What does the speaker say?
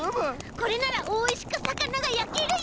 これならおいしくさかながやけるよ！